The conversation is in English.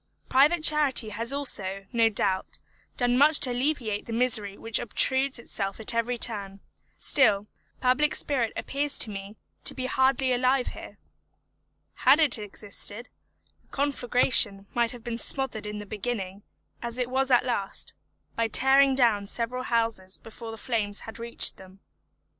Private charity has also, no doubt, done much to alleviate the misery which obtrudes itself at every turn; still, public spirit appears to me to be hardly alive here. Had it existed, the conflagration might have been smothered in the beginning, as it was at last, by tearing down several houses before the flames had reached them.